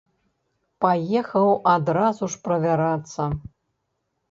Паехаў адразу ж правярацца.